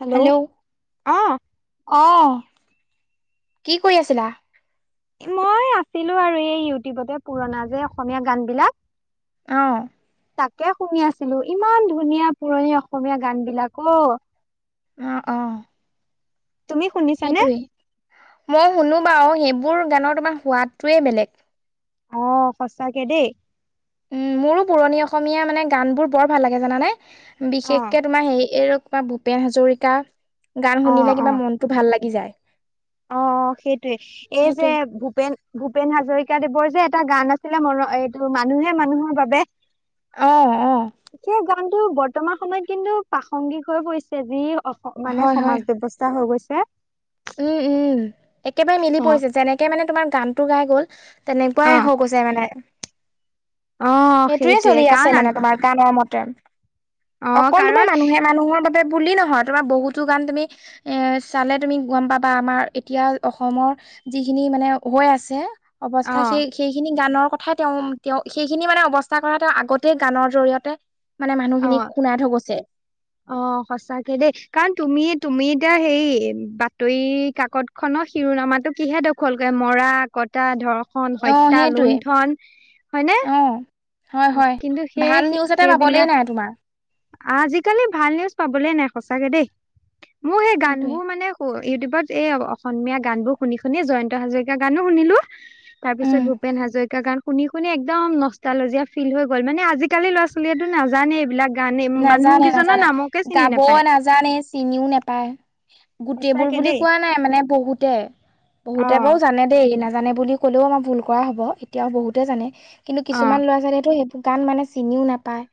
Hello অঁ। অঁ কি কৰি আছিলা? মই আছিলো আৰু এই ইউটিউবতে পুৰণা যে অসমীয়া গান বিলাক অঁ। তাকে শুনি আছিলো ইমান ধুনীয়া পুৰণি অসমীয়া গান বিলাক ঔ। অঁ অঁ। তুমি শুনিছানে সেইটোৱে, মই শুনো বাওঁ, সেইবোৰ গানৰ তোমাৰ সোৱাদটোৱে বেলেগ। অ, সঁচা কে দেই। উম, মোৰো পুৰণি অসমীয়া মানে গান বোৰ বৰ ভাল লাগে জানানে, অ বিশেষকে তোমাৰ হেৰি, এ বা, ভূপেন হাজৰিকা গান অ শুনিলে, অ কিবা মনতটো ভাল লাগি যায়। অ, সেইটোৱে এই যে, সেইটোৱে ভূপেন ভূপেন হাজৰিকাদেৱৰ যে এটা গান আছিলে, মন, এইটো মানুহে মানুহৰ বাবে। অ, অ' সেই গানতটো বৰ্তমান সময়ত কিন্তু প্ৰাসংগিক হৈ পৰিছে যি, অ মানে হয় হয় সমাজ ব্যৱস্থা হৈ গৈছে। উম, উম, একেবাৰে মিলি অ পৰিছে, যেনেকে মানে তোমাৰ গানতটো গাই গ'ল, তেনেকুৱাই অ হৈ গৈ তে, মানে, অ সেইটোয়ে সেইটোৱে চলি আছে কাৰণ মানে আজি তোমাৰ গানৰ মতে, অ অকল তোমাৰ কাৰণ মানুহে-মানুহৰ বাবে বুলি নহয়, তোমাৰ বহুতো গান তুমি এ, চালে তুমি গম, পাবা আমাৰ এতিয়া অসমৰ যিখিনি মানে হৈ আছে, অ অৱস্থা সেই সেইখিনি গানৰ কথাই তেওঁ, তেওঁ, সেইখিনি মানে অৱস্থা কৰা তেওঁ, আগতেই গানৰ জৰি়য়তে মানে অ মানুহখিনিক সোনাই থৈ গৈছে। অ, সঁচাকে দেই, কাৰণ তুমি-তুমি এতিয়া হেৰি, বাতৰি কাকত খনৰ শিৰোনামাটো কিহে দখলে, মৰা কত তা, ধৰ্ষণ, অ হত্যা, সেইটোৱে লুণ্ঠন, হয়নে? অ হয়, হয়, কিন্তু সেই ভাল নিউজ এটা পাবলেই সেইবিলাক নাই তোমাৰ। আজিকালি ভাল নিউজ পাবলে নাই সচাকে দেই, মোৰ সেই গান সেইটোৱে বোৰ মানে অ, ইউটিউবত এই অসমীয়া গান বোৰ শুনি, শুনি জয়ন্ত হাজৰিকাৰ গানো শুনিলো। তাৰ পিছত উম ভূপেন হাজৰিকা গান শুনি, শুনি একদম নষ্টা লজীয়া ফিল হৈ গ'ল, মানে আজিকালি ল'ৰা-ছোৱালীয়েটো নাজানেই এইবিলাক। গানে, মানুহ কেইজনৰ নামকে চিনি নোপায়। জানে, চিনিও নোপায়। গোটেইবোৰ সঁচাকে বুলি দেই কোৱা নাই, মানে বহুতে, অ বহুতে বাৰু জানে দেই, নাজানে বুলি ক'লেও আমাৰ ভুল কৰা হ'ব, এতিয়াও বহুতে জানে, কিন্তু অ কিছুমান ল'ৰা-ছোৱালীয়েতো সেইবো গান, মানে চিনিও নাপায়।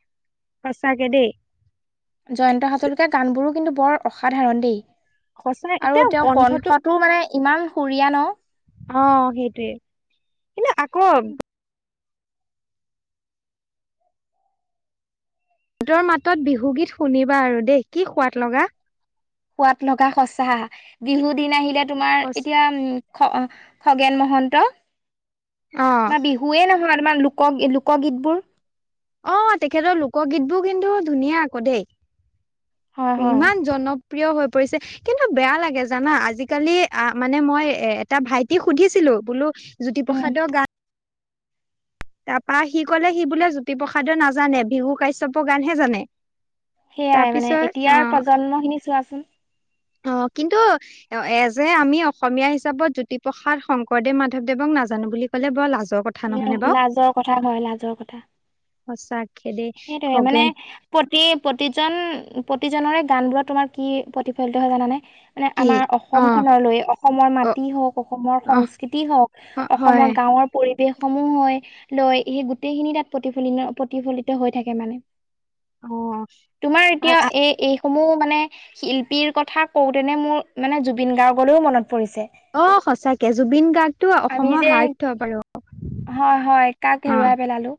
সঁচাকে দেই। জয়ন্ত হাজৰিকীয়া, গানবোৰো কিন্তু বৰ অসাধাৰণ দেই, সঁচা আৰু এতিয়া তেওঁ কণ্ঠটো কণ্ঠট তোৰ, মানে ইমান সুৰীয়া ন। অ, সেইটোৱে, কিন্তু আকৌ ৰ, মাতত বিহুগীত শুনিবা আৰু দেই, কি সোৱাদ লগা। সোৱাদ লগা সঁচা, কি বিহু দিন আহিলে তোমাৰ, সচ এতিয়া উম খ, খগেন মহন্ত, অ বা বিহু য়ে, নহয় তোমাৰ লোক লোকগীতবোৰ। অ, তেখেতৰ লোকগীত বোৰ কিন্তু ধুনীয়া আকৌ দেই, হয় হয় ইমান জনক প্ৰিয়, হৈ পৰিছে। কিন্তু বেয়া লাগে জানা, আজিকালি আ, মানে মই এ, এটা ভাইটি সুধিছিলো, বোলো উম জ্যোতিপ্ৰসাদৰ গান তাৰপৰা সি ক'লে সি বোলে জ্যোতিপ্ৰসাদে নাজানে, বিহু কাশ্যপৰ গানহে জানে। সেয়াই মানে, তাৰপিছত এতিয়াৰ অ প্ৰজন্ম খিনি চোৱাচোন। অ, কিন্তু অ, এ, যে, আমি অসমীয়া হিচাপত জ্যোতিপ্ৰসাদ, শংকৰদেৱ, মাধৱদেৱক নাজানো বুলি ক'লে বৰ লাজ কথ লাজৰ কথা হয় লাজৰ কথা। সঁচাকে দেই। সেইটোৱে মানে খগেন প্ৰতি প্ৰতিজন, প্ৰতিজনৰে গান বোৰত তোমাৰ কি প্ৰতিফলিত হয় জানানে? মানে কি আমাৰ অ অসমখনলৈ অসমৰ অ মাটি হওক, অসমৰ অ সংস্কৃতি হওক। অ- হয় অসমৰ গাঁৱৰ পৰিবেশ সমূহ হয় লৈ সেই গোটেইখিনি তাত প্ৰতিফলিত, প্ৰতিফলিত হৈ থাকে মানে। অ তোমাৰ এতিয়া আ- আ- এই এই সমূহ মানে, শিল্পীৰ কথা কওঁতেনে মোৰ মানে জুবিন গাৰ্গলৈও মনত পৰিছে। অঁ সঁচাকে জুবিন গাৰ্গটো আমি অসমৰ যে হাৰ্ট থ্ৰব আৰু। হয় হয় কাক হেৰুৱাই পেলালো।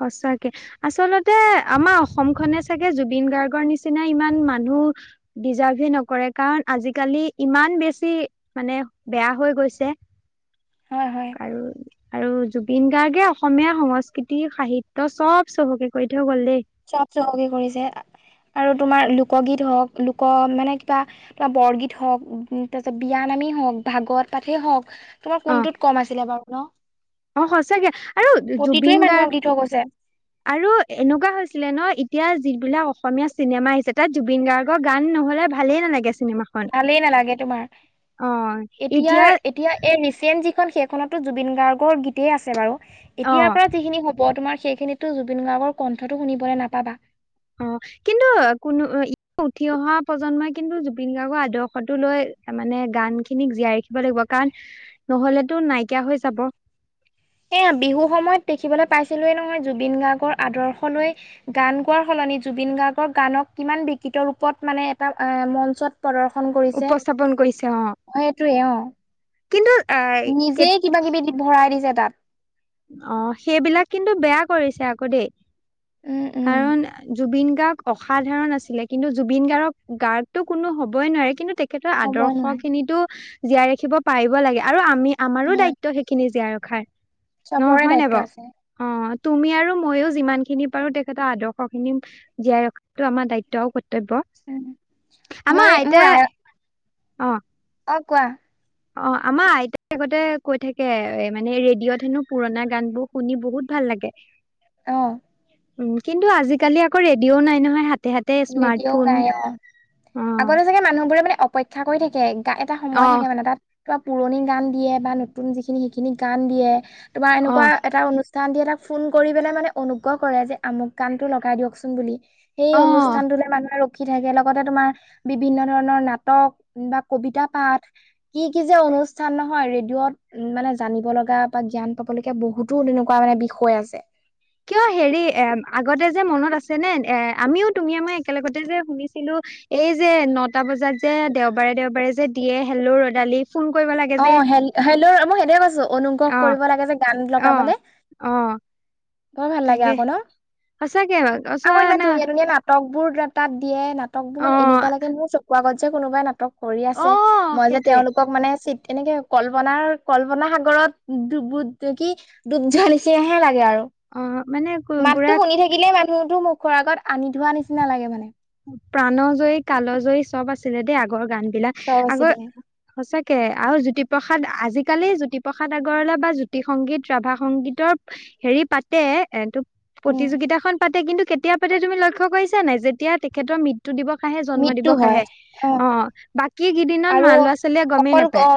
সঁচাকে। আচলতে আমাৰ অসমখনে চাগে জুবিন গাৰ্গৰ নিচিনা ইমান মানুহ ডিজাৰ্ভে নকৰে কাৰণ আজিকালি ইমান বেছি মানে বেয়া হৈ গৈছে। হয় হয়। আৰু, আৰু জুবিন গাৰ্গে অসমীয়া সংস্কৃ তি, সাহিত্য চব চহকী কৰি থৈ গ'ল দেই। চব চহকী কৰিছে, আৰু তোমাৰ লোকগীত হওক, লোক মানে কিবা তোমাৰ বৰগীত হওক, তাৰ পিছত বিয়া নামেই হওক, ভাগৱত পাঠেই হওক তোমাৰ অ কোনটোত কম আছিলে বাৰু ন, অ সঁচাকে আৰু জুবিন প্ৰতিটোৱে গাৰ্গ মানুহক দি থৈ গৈছে। আৰু এনেকুৱা হৈছিলে ন এতিয়া যিবিলাক অসমীয়া চিনেমা আহিছে তাত জুবিন গাৰ্গ ৰ গান নহ'লে ভালেই নালাগে চিনেমা। ভালেই নালাগে তোমাৰ, এতিয়াৰ এতিয়া এই ৰিচেণ্ট যিখন সেইখনতো জুবিন গাৰ্গৰ গীতেই আছে বাৰু, অ এতিয়াৰ পৰা যিখিনি হ'ব তোমাৰ সেইখিনিততো জুবিন গাৰ্গৰ কন্ঠটো শুনিবলৈ নাপাবা। অঁ, কিন্তু কোনো ই উঠি অহা প্ৰজন্মই কিন্তু জুবিন গাৰ্গৰ আদৰ্শটো লৈ তাৰ মানে গান খিনিক জীয়াই ৰাখিব লাগিব, কাৰণ নহলেতো নাইকিয়া হৈ যাব। এয়া বিহু সময়ত দেখিবলৈ পাইছিলোৱে নহয় জুবিন গাৰ্গৰ আদৰ্শ লৈ গান গোৱাৰ সলনি জুবিন গাৰ্গৰ গানক কিমান বিকৃত ৰূপত মানে এটা মঞ্চত প্ৰদৰ্শন কৰিছে, উপস্থাপন কৰিছে অ সেইটোৱে অঁ। কিন্তু এই কে কিবা কিবি ভৰাই দিছে তাত। অঁ সেইবিলাক কিন্তু বেয়া কৰিছে আক' দেই। উম উম। কাৰণ জুবিন গাৰ্গ অসাধাৰণ আছিলে কিন্তু জুবিন গাৰ্গক গাৰ্গটো কোনো হ'বই নোৱাৰে কিন্তু তে খেতৰ হ'বই আদৰ্শ নোৱাৰে খিনিতো জীয়াই ৰাখিব পাৰিব লাগে আৰু আমি আমাৰো হয় দায়িত্ব সেইখিনি জীয়াই ৰখাৰ। ন চবৰে হয় নাই দায়িত্ব বাৰু? আছে অঁ। তুমি আৰু মইয়ো যিমান খিনি পাৰো তেখেতৰ আদৰ্শ খিনি জীয়াই ৰখাটো আমাৰ দায়িত্ব আৰু কৰ্তব্য। উম আমাৰ মই আইতাই, অঁ। অঁ কোৱা। অঁ আমাৰ আইতাই আগতে কৈ থাকে মানে ৰেডিঅ'ত হেনো পুৰণা গান বোৰ শুনি বহুত ভাল লাগে। অঁ। উম কিন্তু আজিকালি আকৌ ৰেডিঅও নাই নহয় হাতে হাতে এতিয়াও স্মাৰ্টফোন নাই অ অ', আগতে চাগে মানুহবোৰে মানে অপেক্ষা কৰি থাকে গা এটা সময় থাকে অ', মানে তাত তোমাৰ পুৰণি গান দিয়ে বা নতুন যিখিনি সেইখিনি গান দিয়ে তোমাৰ এনেকুৱা অ', এটা অনু ষ্ঠান দি তাক ফোন কৰি পেলাই মানে অনুগ্ৰহ কৰে যে আমুক কানটো লগাই দিয়কচোন বুলি সেই অনু অ', পানা ৰখি থাকে লগতে তোমাৰ বিভিন্ন ধৰণৰ নাটক বা কবিতা পাঠ কি কি যে অনুষ্ঠান নহয় ৰেডিঅ'ত উম মানে জানিব লগা বা জ্ঞান পাব লগীয়া বহুতো তেনেকুৱা মানে বিষয় আছে কিয় হেৰি এ আগতে যে মনত আছে নে এ আমিও তুমি মই একেলগতে যে শুনিছিলোঁ এই যে নটা বজাত যে দেওবাৰে দেওবাৰে যে দিয়ে হেল্লো ৰদালি ফোন কৰিব লাগে অ যে হেল্ল' মই সেনে কৈছো অনুগ্ৰহ অ', কৰিব লাগে যে গান অ', লগাবলে অ', বৰ ভাল লাগে তাকে আকৌ ন সঁচাকে চোৱা আকৌ ইমান না ধুনীয়া ধুনীয়া ন নাটকবোৰ তাত দিয়ে নাটকবোৰ মানে এনেকুৱা অ', লাগে মোৰ চকু আগত যে কোনোবাই নাটক কৰি আছে অ', মই যে সেইটোৱে তেওঁলোকক মানে এনেকে কল্পনাৰ কল্পনা সাগৰত দুবু কি দুধ যা নিচিনাহে লাগে আৰু অ মানে বুঢ়া আগিলে মানুহো মুখৰ আগত আনি থোৱা নিচিনা লাগে মানে প্ৰাণ জয়ী কাল জয়ী চব আছিলে দেই আগৰ গান বিলাক চব আগৰ আছিলে সচাকে আৰু জ্যোতিপ্ৰসাদ আজিকালি জ্যোতিপ্ৰসাদ আগৰৱালা বা জ্যোতি সংগীত ৰাভা সংগীতৰ হেৰি পাতে এ তটো উম প্ৰতিযোগিতাখন পাতে কিন্তু কেতিয়া পাতে তুমি লক্ষ্য কৰিছা নাই যেতিয়া তেখেতৰ ম দিৱস আহে জন্ম মৃত্যু দিৱস হয় আহে অ বাকী কেইদিনত আৰু মা ল'ৰা ছোৱালীয়ে গমেই অকল নাপায় অ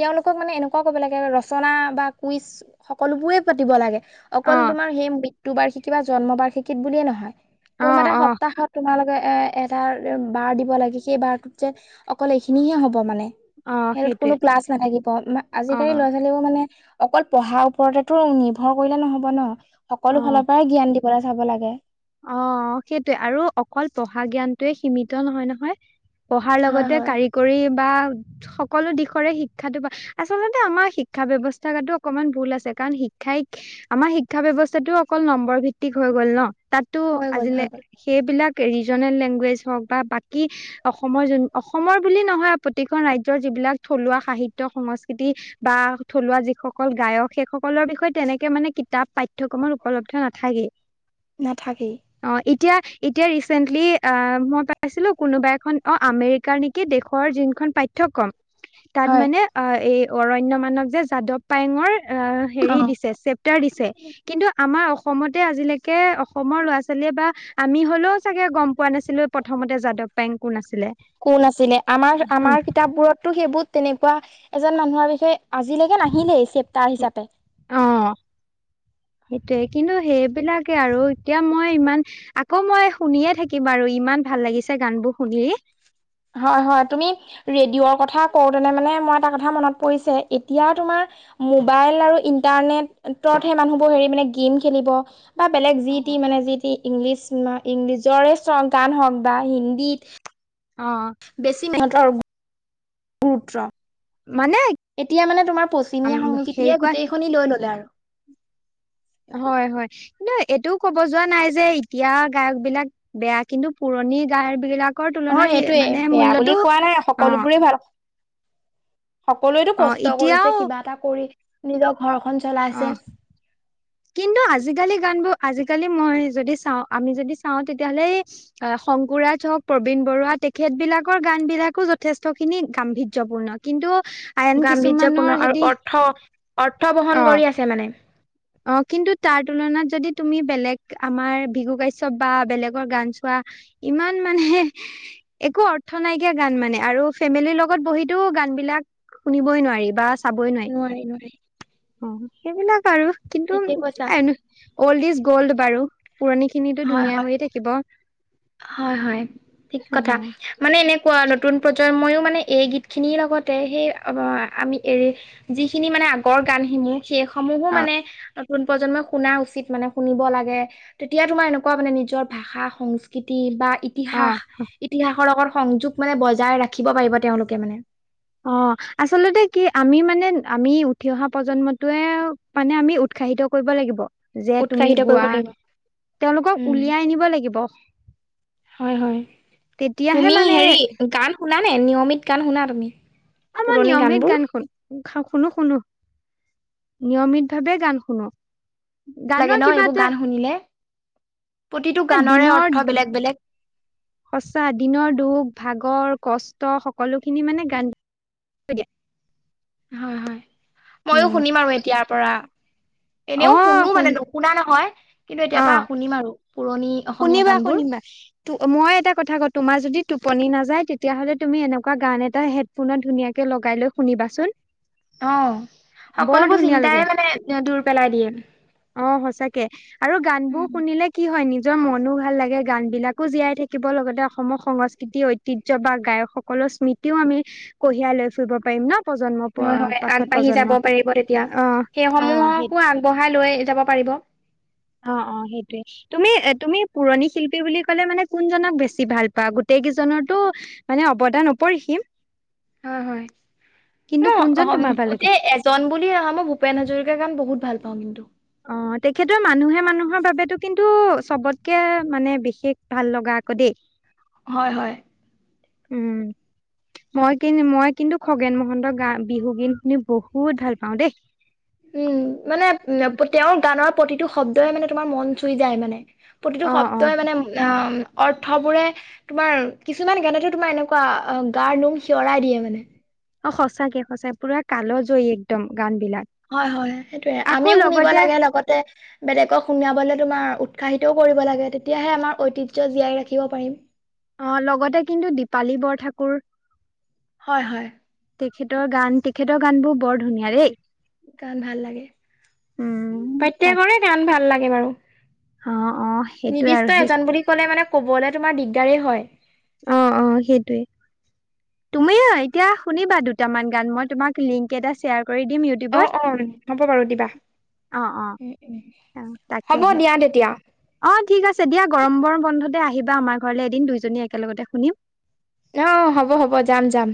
তেওঁলোকক মানে এনেকুৱাও ক'ব লাগে ৰচনা বা কুইজ সকলোবোৰেই পাতিব লাগে অ অকল তোমাৰ সেই মৃত্যু বাৰ্ষিকী বা জন্ম বাৰ্ষিকীত বুলিয়ে নহয় অ কোনোবা এটা অ সপ্তাহত তোমালোকে এ এটা বাৰ দিব লাগে সেই বাৰটোত যে অকল এইখিনিহে হ'ব মানে অ সেইটোত সেইটোৱে কোনো ক্লাছ নাথাকিব অ আজিকালি লৰা ছোৱালী মানে অকল পঢ়াৰ ওপৰতেতো নিৰ্ভৰ কৰিলে নহব ন অ সকলো ফালৰ পৰাই জ্ঞান দ দিবলে চাব লাগে অ সেইটোয়ে আৰু অকল পঢ়া জ্ঞানটোৱে সীমিত নহয় নহয় পঢ়াৰ হয় লগতে হয় কাৰিকৰী বা সকলো দিশৰে শিক্ষাটো আচলতে আমাৰ শিক্ষা ব্যৱস্থাটো অকমান ভুল আছে কাৰণ শিক্ষাই আমাৰ শিক্ষা ব্যৱস্থাটো অকল নম্বৰ ভিত্তিক হৈ গ'ল ন টো হৈ গ'ল আজিলে হৈ গ'ল সেইবিলাক ৰিজনেল লেংগুৱেজ হওক বা বাকী অসমৰ জ অসমৰ বুলি নহয় প্ৰতিকখন ৰাজ্যৰ যিবিলাক থলুৱা সাহিত্য সংস্কৃতি বা থলুৱা যিসকল গায়ক সেই সকলৰ বিষয়ে তেনেকে মানে কিতাপ পাঠ্যয়ক্ৰমত উপলব্ধ নাথাকেই নাথাকেই অ' এতিয়া এতিয়া ৰিচেন্টলি আ মই পাইছিলো কোনোবা এখন অ' আমেৰিকাৰ নি কি দেশৰ যোনখন পাঠ্যক্ৰম তাত হয় মানে আ এই অৰণ্য মানৱ যে যাদৱ পায়ঙৰ আহ অ হেৰি দিছে চপ উত্তাৰ দিছে, কিন্তু আমাৰ অসমতে আজিলৈকে অসমৰ ল'ৰা ছোৱালীয়ে বা আমি হলেও চাগে গম পোৱা নাছিলো প্ৰথমতে যাদৱ পায়েং কোন আছিলে কোন আছিলে, উ আমাৰ-আমাৰ কিতাপ বোৰতো সেইবোৰত তেনেকুৱা এজন মানুহৰ বিষয়ে আজিলকে নাহিলেই চেপ্তাৰ হিচাপে অ সেইটোয়ে কিন্তু সেইবিলাকে আৰু এতিয়া মই ইমান আকৌ মই শুনিয়ে থাকিম আৰু ইমান ভাল লাগিছে গানবোৰ শুনি। [unintelligible] হয়-হয়, তুমি ৰেডিঅ'ৰ কথা কওঁতেনে মানে মই এটা কথা মনত পৰিছে এতিয়া তোমাৰ [unintelligible] মোবাইল আৰু ইন্টাৰনেটতহে মানুহবোৰ হেৰি মানে গেম খেলিব [unintelligible] বা বেলেগ অ যি টি মানে যি টি ইংলিছ ইংলিজৰে গান হওক বা হিন্দীত [unintelligible] অঁ। [inaudible] বেছি মিহতৰ [unintelligible] গুৰুত্ব, মানে এতিয়া মানে তোমাৰ পশ্চিমীয়া হেৰি সংস্কৃতিয়ে কোৱা গোটেই খিনি লৈ ললে আৰু। [unintelligible] হয়-হয়। [unintelligible] কিন্তু এইটো কব যোৱা নাই যে এতিয়া গায়কবিলাক বেয়া, কিন্তু পুৰণি গায়কবিলাক [unintelligible] [unintelligible] কৰ অ তুলনাৰ এই সেইটোয়ে মানে বেয়া বুলি মুল্যটো কোৱা নাই অঁ সকলোবোৰে [unintelligible] ভাল সকলোৱেতো অ কষ্ট কৰিছে এতিয়াও কিবা এটা, কৰি নিজৰ ঘৰখন অ চলাইছে। [unintelligible] কিন্তু আজিকালি গানবোৰ আজিকালি মই যদি চাওঁ আমি যদি চাওঁ তেতিয়াহলে [unintelligible] অঁ শংকুৰাজ হওক, প্ৰবীন বৰুৱা তেখেত বিলাকৰ গানবিলাকো যথেষ্টখিনি গাম্ভীৰ্যপূৰ্ণ। [unintelligible] কিন্তু [inaudible] কিছুমানৰ গাম্ভীৰ্যপূৰ্ণ আৰু যদি অৰ্থ-অৰ্থ বহন কৰি আছে মানে। [unintelligible] অঁ! কিন্তু তাৰ তুলনাত যদি তুমি বেলেগ আমাৰ ভিঘু কাশ্যপ বা বেলেগৰ গান চোৱা [unintelligible] ইমান মানে [unintelligible] একো অৰ্থ নাইকিয়া গান মানে, আৰু ফেমিলিৰ লগত বহিটো গানবিলাক [inaudible] শুনিবই নোৱাৰি বা [unintelligible] চাবই নোৱাৰি। অঁ! সেইবিলাক আৰু কিন্তু ঠিকে কৈছা এনেও [unintelligible] অল্ড ইজ গ'ল্ড বাৰু, পুৰণি খিনিটো ধুনীয়া হৈয়ে থাকিব। [unintelligible] হয়-হয়, ঠিক কথা। [unintelligible] মানে এনেকুৱা নতুন প্ৰজন্মইও মানে এই গীতখিনিৰ লগতে সেই আমি এৰি [unintelligible] যিখিনি মানে আগৰ গানসমূহ সেই সমূহো মানে [unintelligible] নতুন প্ৰজন্মই শুনা উচিত মানে শুনিব লাগে। তেতিয়া তোমাৰ এনেকুৱা মানে নিজৰ ভাষা সংস্ [unintelligible] সংস্কৃতি বা অ ইতিহাস-ইতিহাসৰ লগত সংযোগ মানে বজাই ৰাখিব পাৰিব তেওঁলোকে মানে। [unintelligible] অঁ! আচলতে কি আমি মানে আমি উঠি অহা প্ৰজন্মটোৱে [unintelligible] মানে আমি উৎসাহিত কৰিব লাগিব। [inaudible] যে তুমি উৎসাহিত কৰিব গোৱা, লাগিব তেওঁলোকক উলিয়াই আনিব লাগিব। [inaudible] হয়-হয়। তেতিয়াহে তুমি মানে হেৰি গান শুনা নে নিয়মিত গান শুনা তুমি? [unintelligible] মই পুৰণি নিয়মিত গানবোৰ গান শুন শুনো-শুনো। নিয়মিতভাৱে গান শুনো। [unintelligible] [unintelligible] লাগে গানৰ ন' কিবা এইবোৰ গান শুনিলে। প্ৰতিটো এ গানৰে অৰ্থ দিনৰ [inaudible] বেলেগ বেলেগ সঁচা দিনৰ দুখ, ভাগৰ, কষ্ট, সকলোখিনি মানে গান [unintelligible] দিয়ে। হয়-হয়। ময়ো উম। শুনিম আৰু এতিয়াৰ পৰা। অ এনেও শুনো শুন মানে [unintelligible] শুনা নহয়, কিন্তু এতিয়া পৰা শুনিম আৰু পুৰণি [unintelligible] গানবোৰ শুনিবা-শুনিবা। [unintelligible] ত' মই এটা কথা কওঁ তোমাৰ যদি টোপনি নাযায় তেতিয়াহ'লে তুমি এনেকুৱা গান এটা হে [unintelligible] ফোনত ধুনীয়াকে লগাই লৈ শুনিবা চোন। [unintelligible] অঁ! সকলোবোৰ ধুনীয়া চিন্তাই মানে দূৰ পেলাই দিয়ে। [unintelligible] অঁ! সঁচাকে আৰু গানবোৰ উম, শুনিলে কি হয় নি [unintelligible] নিজৰ মনো ভাল লাগে, গানবিলাকো জীয়াই থাকিব, লগতে অসমৰ সংস্কৃতি ঐতিহ্য বা গায়কসকলৰ স্মৃতি [unintelligible] স্মৃতিও আমি কঢ়িয়াই লৈ ফুৰিব পাৰিম ন? [unintelligible] প- হয়-হয়, পাছত আগবাঢ়ি প্ৰজন্ম যাব পাৰিব তেতিয়া। অ অ সেই সেইসমূহকো আগবঢ়াই লৈ যাব পাৰিব। [unintelligible] অঁ-অঁ! সেইটোৱেই। [inaudible] তুমি - তুমি পুৰণি শিল্পী বুলি ক'লে মানে কোনজনক বেছি ভাল পোৱা গোটেই কেইজনৰতো। মানে অৱদা নপৰিহিম। হয় হয় কিন্তু কোনজন মই তোমাৰ ভাল লাগে গোটেই। জন বুলি আহা মই ভূপেন হাজৰিকাৰ গান বহুত ভাল পাওঁ কিন্তু। অ' তেখেতৰ মানুহে মানুহৰ বাবেতো কিন্তু চবতকে মানে বিশেষ ভাল লগা আকৌ দেই। হয় হয়। উম। মই কি মই কিন্তু খগেন মহন্তৰ গা বিহু গিন শুনি বহুত ভাল পাওঁ দেই। উম, মানে উ তেওঁৰ গানৰ প্ৰতিটো শব্দই মানে তোমাৰ মন চুই যায় মানে। প্ৰতিটো অ অ শব্দই মানে অৰ্থবোৰে। তোমাৰ কিছুমান গানটো তোমাৰ এনেকুৱা গাৰ নোম শিয়ৰাই দিয়ে মানে। অ সঁচাকে সঁচা পুৰা কালজয় একদম গান বিলাক। হয় হয়, সেইটোয়ে আকৌ আমিও শুনিব লগতে লাগে লগতে। বেলেগক সোমিয়াবলৈ তোমাৰ উৎসাহিতও কৰিব লাগে তেতিয়াহে আমাৰ ঐতিহ্য জীয়াই ৰাখিব পাৰিম। অ' লগতে কিন্তু দীপালী বৰঠাকুৰ। হয় হয়। তেখেতৰ গান তেখেতৰ গান বোৰ বৰ ধুনীয়া দেই। গান ভাল লাগে, উম তাক প্ৰত্যেকৰে গান ভাল লাগে বাৰু। অ' অ' সেইটোয়ে নিৰ্দিষ্ট আৰু সেই। এজন বুলি ক'লে মানে ক'বলৈ তোমাৰ দিগদাৰেই হয়। অ অ সেইটোৱেই। তুমি এতিয়া শুনিবা দুটামান গান মই তোমাক লিংক এটা শ্বেয়াৰ কৰি দিম। ইউটিউবত। অ' অ হ'ব বাৰু দিবা অ', অ', অ', হ'ব তাকেহে দিয়া তেতিয়া। অ' ঠিক আছে দিয়া, গৰম গৰম বন্ধতে আহিবা আমাৰ ঘৰলৈ এদিন দুইজনী একেলগতে শুনিম। অ হ'ব হ'ব যাম যাম।